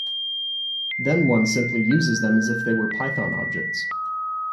Then one simply uses them as if they were Python objects.